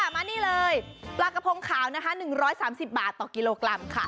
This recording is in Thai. มานี่เลยปลากระพงขาวนะคะ๑๓๐บาทต่อกิโลกรัมค่ะ